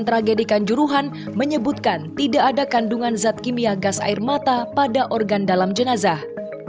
tragedi kanjuruhan menyebutkan tidak ada kandungan zat kimia gas air mata pada organ dalam jenazah